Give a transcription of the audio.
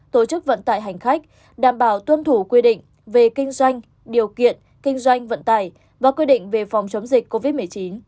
tổ chức vận tải hành khách đảm bảo tuân thủ quy định về kinh doanh điều kiện kinh doanh vận tải và quy định về phòng chống dịch covid một mươi chín